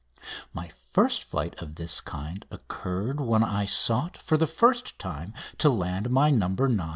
My first flight of this kind occurred when I sought for the first time to land in my "No.